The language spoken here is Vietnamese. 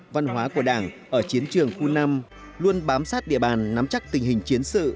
văn hóa của đảng ở chiến trường khu năm luôn bám sát địa bàn nắm chắc tình hình chiến sự